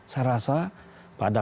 saya rasa pada